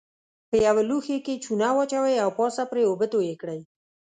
په یوه لوښي کې چونه واچوئ او پاسه پرې اوبه توی کړئ.